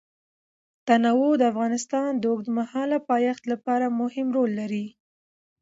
تنوع د افغانستان د اوږدمهاله پایښت لپاره مهم رول لري.